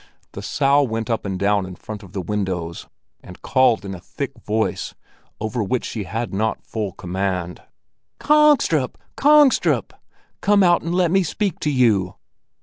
The Sow went up and down in front of the windows, and called in a thick voice, over which she had not full command: "Kongstrup, Kongstrup! Come out and let me speak to you.